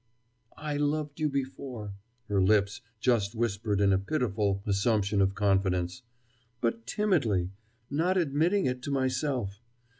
"I loved you before," her lips just whispered in a pitiful assumption of confidence, "but timidly, not admitting it to myself.